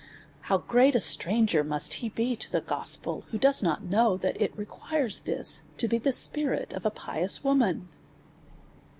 How great a stranger must he be to the gospel, who does not know that it requires this to be the spirit of a pious woman